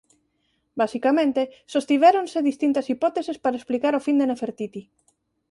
Basicamente sostivéronse distintas hipóteses para explicar o fin de Nefertiti.